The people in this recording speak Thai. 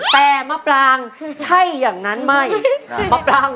แต่มะปราง